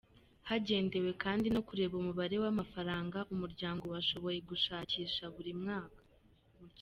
Hagendewe kandi no kureba umubare w’amafaranga umuryango washoboye gushakisha buri mwaka.